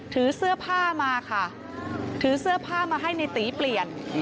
ถือเสื้อผ้ามาค่ะถือเสื้อผ้ามาให้ในตีเปลี่ยน